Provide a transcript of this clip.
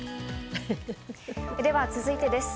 では続いてです。